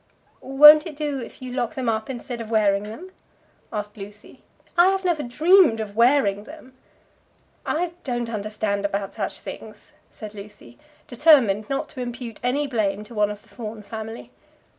"Won't it do if you lock them up instead of wearing them?" asked Lucy. "I have never dreamed of wearing them." "I don't understand about such things," said Lucy, determined not to impute any blame to one of the Fawn family.